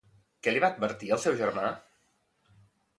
Què li va advertir al seu germà?